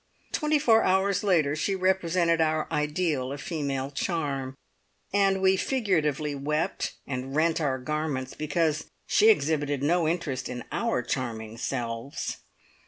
Twenty four hours later she represented our ideal of female charm, and we figuratively wept and rent our garments because she exhibited no interest in our charming selves.